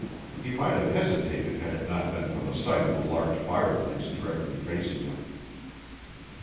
He might have hesitated had it not been for the sight of a large fireplace directly facing him.